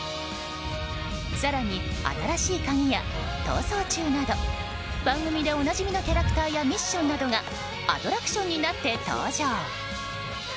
更に、「新しいカギ」や「逃走中」など番組でおなじみのキャラクターやミッションなどがアトラクションになって登場。